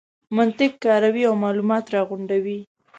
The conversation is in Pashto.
منطق کاروي او مالومات راغونډوي.